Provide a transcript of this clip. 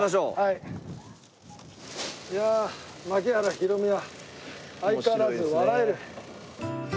いやあ槙原寛己は相変わらず笑える。